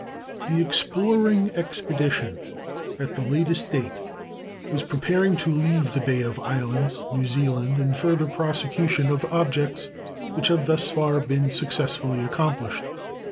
The exploring expedition at the latest date was preparing to leave the Bay of Islands, New Zealand, in further prosecution of objects which have thus far been successfully accomplished.